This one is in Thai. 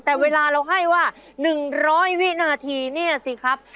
แต่เวลาเราให้ว่า๑๐๐วินาทีเนี่ยสิครับ